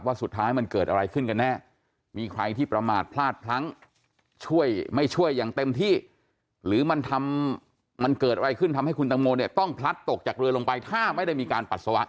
สุดท้ายมันเกิดอะไรขึ้นกันแน่มีใครที่ประมาทพลาดพลั้งช่วยไม่ช่วยอย่างเต็มที่หรือมันทำมันเกิดอะไรขึ้นทำให้คุณตังโมเนี่ยต้องพลัดตกจากเรือลงไปถ้าไม่ได้มีการปัสสาวะ